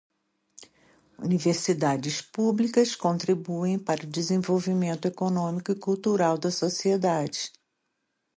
Universidades públicas contribuem para o desenvolvimento econômico e cultural da sociedade.